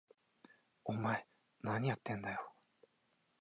お前、なにやってんだよ！？